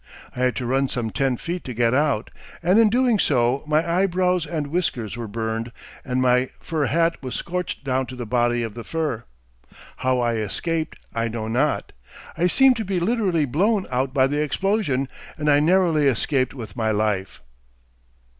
I had to run some ten feet to get out, and in doing so my eyebrows and whiskers were burned, and my fur hat was scorched down to the body of the fur. How I escaped I know not. I seemed to be literally blown out by the explosion, and I narrowly escaped with my life."